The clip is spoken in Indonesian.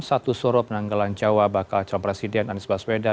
satu sorob nanggalan jawa bakal calon presiden anies baswedan